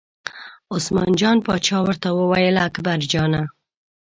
عثمان جان پاچا ورته وویل اکبرجانه!